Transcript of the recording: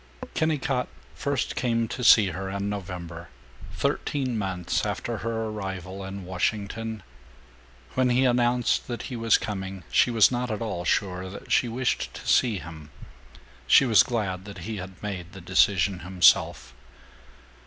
IV Kennicott first came to see her in November, thirteen months after her arrival in Washington. When he announced that he was coming she was not at all sure that she wished to see him. She was glad that he had made the decision himself.